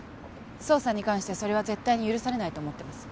捜査に関してそれは絶対に許されないと思ってます。